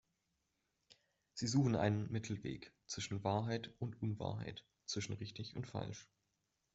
Sie suchen einen Mittelweg zwischen Wahrheit und Unwahrheit, zwischen richtig und falsch.